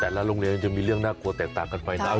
โรงเรียนจะมีเรื่องน่ากลัวแตกต่างกันไปนะ